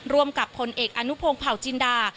ร่วมกับพลเอกอนุพงศ์เผาจินดา